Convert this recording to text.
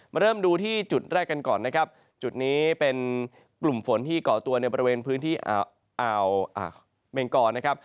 เริ่มดูที่จุดแรกกันก่อนนะครับจุดนี้เป็นกลุ่มฝนที่เกาะตัวในบริเวณพื้นที่อ่าวเมงกรนะครับ